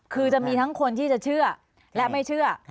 คือจะมีทั้งคนที่จะเชื่อและไม่เชื่อ